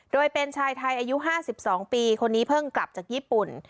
โดยเป็นชายไทยอายุ๕๒ปีคนนี้เพิ่งกลับจากญี่ปุ่น